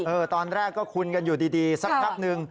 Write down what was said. ตอนแรกก็คุ้นกันอยู่ดีสักพักนึง